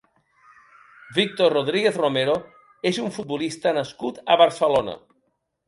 Víctor Rodríguez Romero és un futbolista nascut a Barcelona.